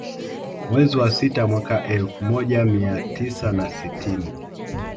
Mwezi wa sita mwaka elfu moja mia tisa na sitini